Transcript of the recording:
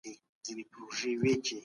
د لږکيو حقوق په نړيواله کچه منل سوي دي.